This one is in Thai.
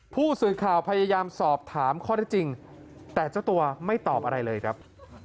ผู้สื่อข่าวพยายามสอบถามข้อได้จริงแต่เจ้าตัวไม่ตอบอะไรเลยครับ